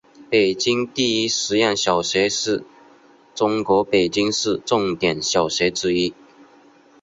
北京第一实验小学是中国北京市重点小学之一。